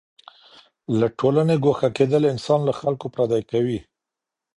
له ټولني ګوښه کېدل انسان له خلګو پردی کوي.